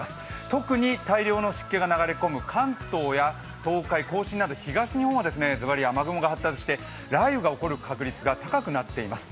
特に大量の湿気が流れ込む関東や東海、東日本はズバリ雨雲が発達して雷雨が起こる確率が高くなっています。